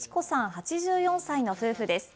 ８４歳の夫婦です。